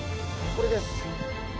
これです。